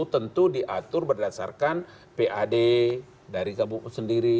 tentu diatur berdasarkan pad dari kabupaten sendiri